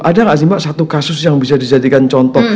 ada nggak sih mbak satu kasus yang bisa dijadikan contoh